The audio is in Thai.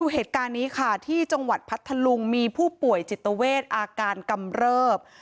เหตุการณ์นี้ค่ะที่จังหวัดพัทธลุงมีผู้ป่วยจิตเวทอาการกำเริบ